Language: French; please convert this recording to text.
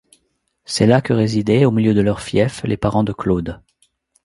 C’est là que résidaient, au milieu de leur fief, les parents de Claude.